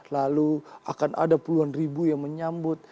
lalu akan ada puluhan ribu yang menyambut